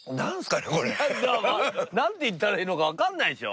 なんて言ったらいいのかわかんないでしょ？